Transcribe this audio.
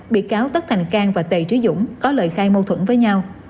bị cáo tất thành cang và tề trí dũng có lời khai mâu thuẫn với nhau